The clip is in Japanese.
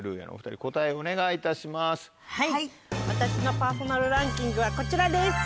私のパーソナルランキンキングはこちらです。